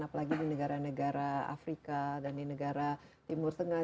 apalagi di negara negara afrika dan di negara timur tengah